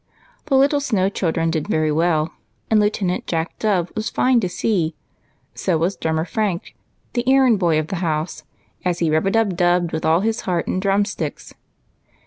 The little Snow chil dren did very well, and Lieutenant Jack Dove was fine to see ; so was Drummer Frank, the errand boy of the house, as he rub a dub dubbed with all his heart and drumsticks.